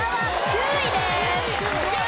９位です。